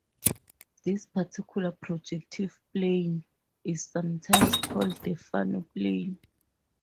This particular projective plane is sometimes called the Fano plane.